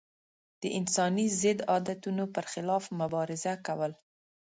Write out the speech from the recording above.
د انساني ضد عادتونو پر خلاف مبارزه کول.